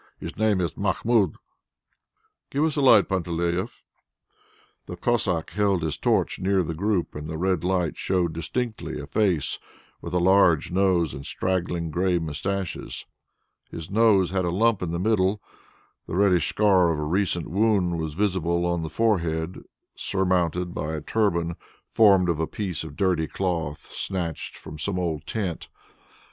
His name is Mahmoud." "Give us a light, Panteleieff." The Cossack held his torch near the group and the red light showed distinctly a face with a large nose and straggling grey moustaches. The nose had a lump in the middle; the reddish scar of a recent wound was visible on the forehead surmounted by a turban formed of a piece of dirty cloth snatched from some old tent.